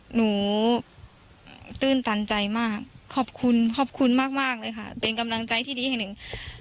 ตื้นตันใจมากขอบคุณขอบคุณมากเลยค่ะเป็นกำลังใจที่ดีแห่งหนึ่ง